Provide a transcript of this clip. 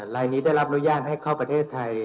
รายนี้ได้รับอนุญาตให้เข้าประเทศไทย